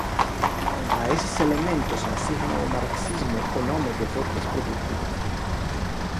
A eses elementos asigna o marxismo o nome de forzas produtivas.